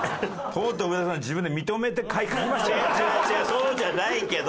そうじゃないけど！